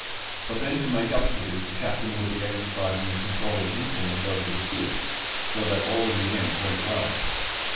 But then to make up for this the captain would be exercising a controlling influence over the soup, so that all in the end went well.